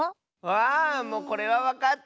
あもうこれはわかった！